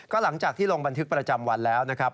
หลังจากที่ลงบันทึกประจำวันแล้วนะครับ